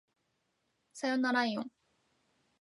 さよならいおん